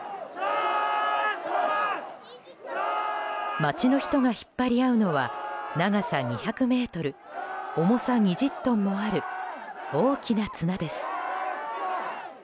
町の人が引っ張り合うのは長さ２００ｍ重さ２０トンもある大きな綱です。